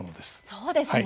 そうですね。